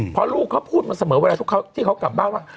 เพราะลูกเขาพูดมาเสมอเวลาทุกที่เขาที่เขากลับบ้านว่า